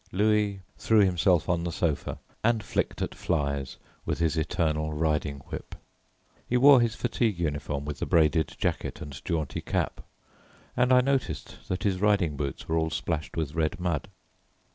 Louis threw himself on the sofa and flicked at flies with his eternal riding whip. He wore his fatigue uniform with the braided jacket and jaunty cap, and I noticed that his riding boots were all splashed with red mud.